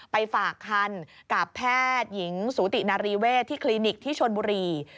ไปฝากคันกับแพทย์หญิงสูตินารีเวศที่คลินิกที่ชนบุรี